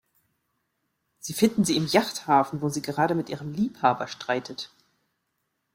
Sie finden sie im Yachthafen, wo sie gerade mit ihrem Liebhaber streitet.